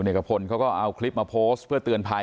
เอกพลเขาก็เอาคลิปมาโพสต์เพื่อเตือนภัย